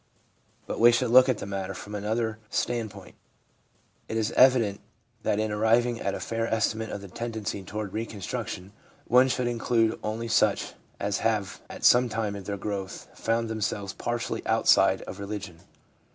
But we should look at the matter from another 25o THE PSYCHOLOGY OF RELIGION standpoint. It is evident that in arriving at a fair estimate of the tendency toward reconstruction one should include only such as have at some time in their growth found themselves partially outside of religion.